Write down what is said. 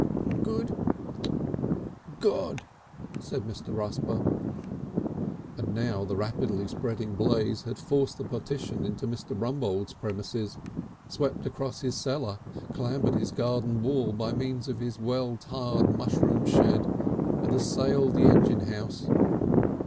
"Good (kik) Gud!" said Mr. Rusper. For now the rapidly spreading blaze had forced the partition into Mr. Rumbold's premises, swept across his cellar, clambered his garden wall by means of his well tarred mushroom shed, and assailed the engine house.